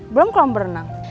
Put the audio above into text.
belum kelam berenang